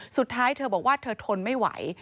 สุดท้ายเธอบอกว่าเธอทนไม่ไหว